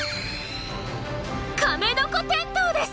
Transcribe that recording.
カメノコテントウです！